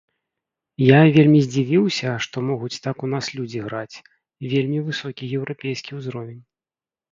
Я вельмі здзівіўся, што могуць так у нас людзі граць, вельмі высокі еўрапейскі ўзровень!